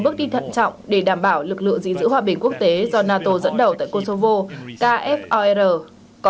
bước đi thận trọng để đảm bảo lực lượng gìn giữ hòa bình quốc tế do nato dẫn đầu tại kosovo kfor có